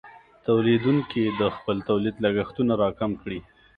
تولیدونکې د خپل تولید لګښتونه راکم کړي.